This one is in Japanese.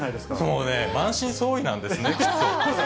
満身創痍なんですね、きっと。